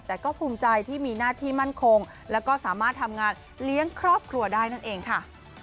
แต่ก็ภูมิใจที่มีหน้าที่มั่นคงแล้วก็สามารถทำงานเลี้ยงครอบครัวได้นั่นเองค่ะ